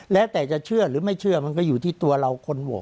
แล้วแต่จะเชื่อหรือไม่เชื่อมันก็อยู่ที่ตัวเราคนโหวต